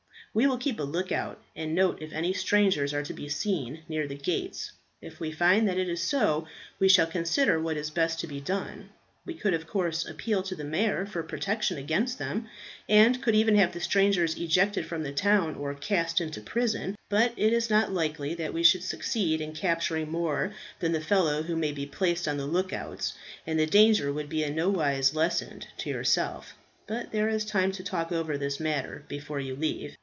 We will keep a look out, and note if any strangers are to be seen near the gates; if we find that it is so, we shall consider what is best to be done. We could of course appeal to the mayor for protection against them, and could even have the strangers ejected from the town or cast into prison; but it is not likely that we should succeed in capturing more than the fellow who may be placed on the look out, and the danger would be in no wise lessened to yourself. But there is time to talk over this matter before you leave.